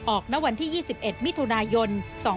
ออกณวันที่๒๑มิถุนายน๒๕๕๙